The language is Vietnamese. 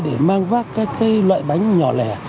để mang vác các loại bánh nhỏ lẻ